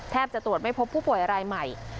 จะตรวจไม่พบผู้ป่วยรายใหม่